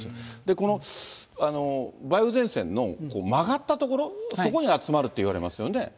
この梅雨前線の曲がった所、そこに集まるといわれますよね。